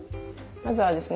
まずはですね